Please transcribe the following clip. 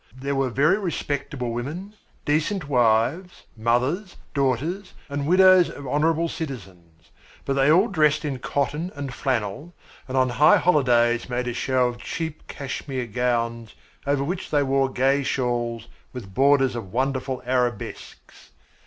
There were very respectable women, decent wives, mothers, daughters and widows of honourable citizens; but they all dressed in cotton and flannel, and on high holidays made a show of cheap Cashmere gowns over which they wore gay shawls with borders of wonderful arabesques.